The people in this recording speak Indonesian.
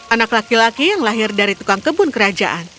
anak laki laki yang lahir dari tukang kebun kerajaan